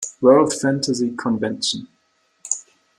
World Fantasy Convention.